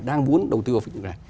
đang muốn đầu tư vào phần như thế này